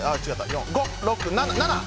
４５６７！